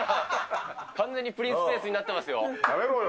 完全にプリンスペースになっやめろよ。